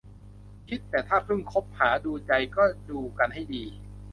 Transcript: คิดแต่ถ้าเพิ่งคบหาดูใจก็ดูกันให้ดี